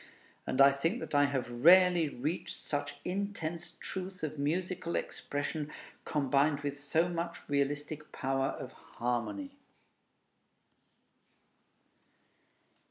And I think that I have rarely reached such intense truth of musical expression, combined with so much realistic power of harmony.